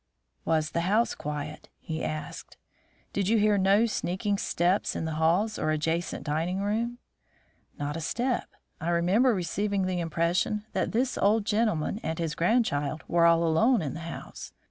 "Was the house quiet?" he asked. "Did you hear no sneaking step in the halls or adjacent dining room?" "Not a step. I remember receiving the impression that this old gentleman and his grandchild were all alone in the house.